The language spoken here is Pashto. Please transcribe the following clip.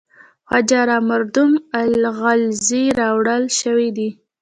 خواجه را مردم غلزی راوړل شوی دی.